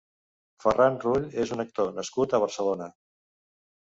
Ferran Rull és un actor nascut a Barcelona.